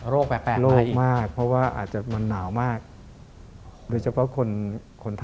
โรคแปลกมาอีกโรคมากเพราะว่าอาจจะหนาวมากโดยเฉพาะคนท่ำคนแก่